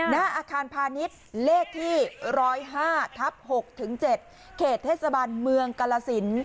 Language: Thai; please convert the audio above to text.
หน้าอาคารพาณิชย์เลขที่๑๐๕ทับ๖๗เขตเทศบาลเมืองกรสิน